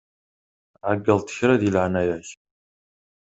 Ɛeyyeḍ-d kra di leɛnaya-k.